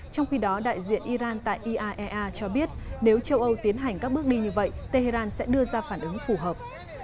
trong khi đó đại diện iran tại iaea cho biết nếu châu âu tiến hành các bước đi như vậy tehran sẽ đưa ra phản ứng phù hợp